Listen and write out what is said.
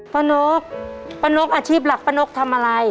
นกป้านกอาชีพหลักป้านกทำอะไร